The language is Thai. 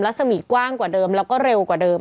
สมีกว้างกว่าเดิมแล้วก็เร็วกว่าเดิม